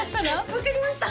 分かりました！